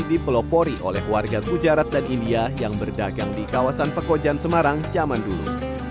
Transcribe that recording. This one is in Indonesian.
dipelopori oleh warga kujarat dan india yang berdagang di kawasan pekojan semarang zaman dulu